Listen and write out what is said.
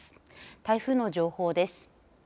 台風の情報です。